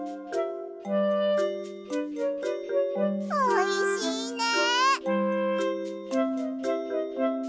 おいしいね！